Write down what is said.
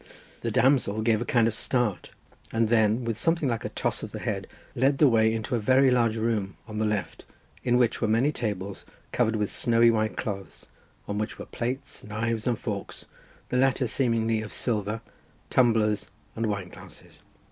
The damsel gave a kind of start, and then, with something like a toss of the head, led the way into a very large room, on the left, in which were many tables, covered with snowy white cloths, on which were plates, knives and forks, the latter seemingly of silver, tumblers, and wineglasses.